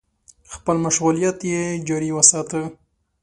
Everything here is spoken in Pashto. خپل مشغولیت يې جاري وساته.